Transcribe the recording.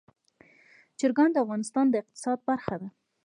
چرګان د افغانستان د اقتصاد برخه ده.